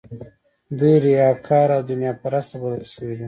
دوی ریاکار او دنیا پرسته بلل شوي دي.